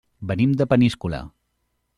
Venim de Peníscola.